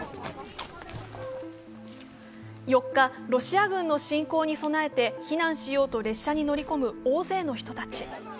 ４日、ロシア軍の侵攻に備えて避難しようと列車に乗り込む多くの人たち。